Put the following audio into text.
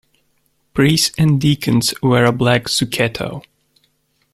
Priests and deacons wear a black zucchetto.